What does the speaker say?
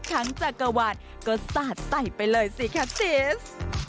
ทั้งจากกระวัติก็สาดใส่ไปเลยสิค่ะซิส